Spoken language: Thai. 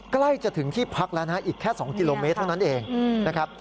ใกล้จะถึงที่พักแล้วนะอีกแค่๒กิโลเมตรเท่านั้นเองนะครับ